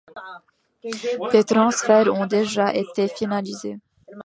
Des transferts ont déjà été finalisés.